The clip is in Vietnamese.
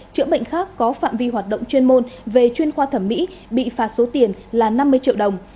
chữa bệnh khác có phạm vi hoạt động chuyên môn về chuyên khoa thẩm mỹ bị phạt số tiền là năm mươi triệu đồng